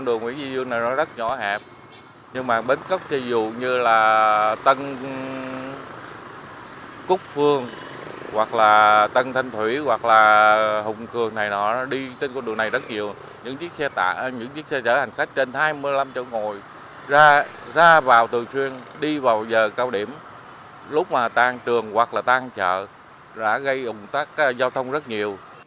đi vào giờ cao điểm lúc mà tan trường hoặc là tan chợ đã gây ủng tác giao thông rất nhiều